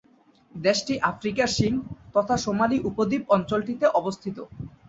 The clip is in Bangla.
দেশটি "আফ্রিকার শিং" তথা সোমালি উপদ্বীপ অঞ্চলটিতে অবস্থিত।